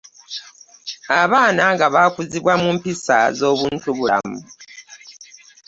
Abaana nga bakuzibwa mu mpisa z’obuntubulamu.